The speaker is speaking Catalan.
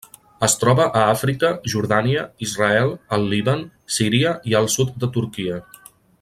Es troba a Àfrica, Jordània, Israel, el Líban, Síria i el sud de Turquia.